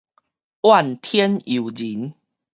怨天尤人